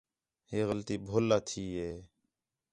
ہے غلطی بُھلّا تھئی ہے